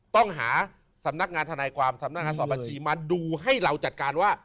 ต้องหาสำนักงานทนายความสำนักงานสอบบัญชีมาดูให้เราจัดการว่า